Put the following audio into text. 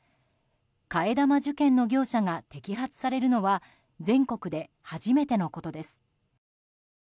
替え玉受験の業者が摘発されるのは全国で初めてのことです。